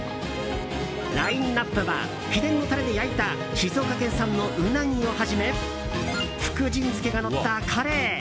ラインアップは秘伝のタレで焼いた静岡県産のウナギをはじめ福神漬けがのったカレー。